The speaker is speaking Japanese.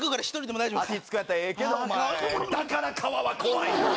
大丈夫だから、川は怖い。